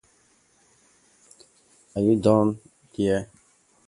He cared for his seven children alone for the rest of his life.